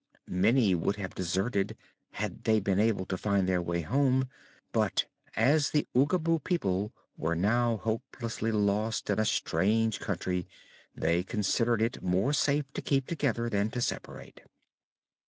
Many would have deserted had they been able to find their way home, but as the Oogaboo people were now hopelessly lost in a strange country they considered it more safe to keep together than to separate.